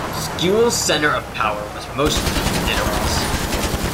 Skule's center of power was mostly in Nidaros.